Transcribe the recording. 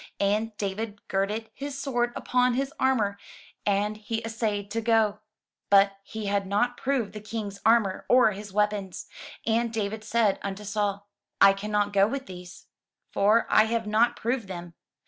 And David girded his sword upon his armour, and he assayed to go; 259 M Y BOOK HOUSE but he had not proved the King*s armor or his weapons. And David said unto Saul, "I cannot go with these; for I have not proved them."